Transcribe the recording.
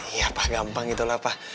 iya apa gampang itulah pak